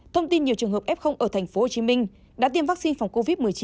thông tin nhiều trường hợp f ở tp hcm đã tiêm vaccine phòng covid một mươi chín